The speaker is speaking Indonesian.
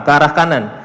ke arah kanan